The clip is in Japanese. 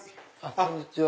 こんにちは。